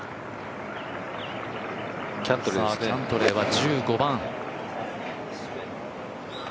キャントレーは１５番。